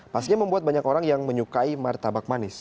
pastinya membuat banyak orang yang menyukai martabak manis